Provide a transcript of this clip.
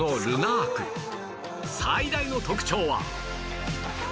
最大の特徴は